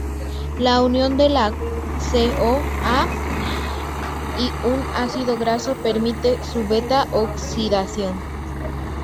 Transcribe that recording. La unión de la CoA y un ácido graso permite su beta oxidación.